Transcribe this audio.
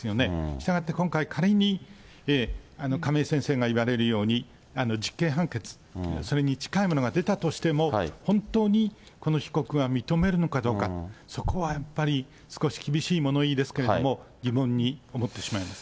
したがって今回、仮に、亀井先生が言われるように、実刑判決、それに近いものが出たとしても、本当にこの被告が認めるのかどうか、そこはやっぱり、少し厳しい物言いですけれども、疑問に思ってしまいます。